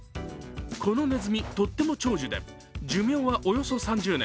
このネズミ、とっても長寿で寿命はおよそ３０年。